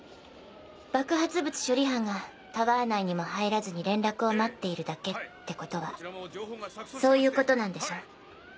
爆発物処理班がタワー内にも入らずに連絡を待っているだけってことはそういうことなんでしょ？